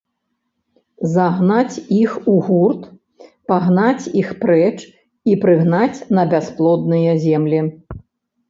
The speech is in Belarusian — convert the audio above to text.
Загнаць іх у гурт пагнаць іх прэч і прыгнаць на бясплодныя землі.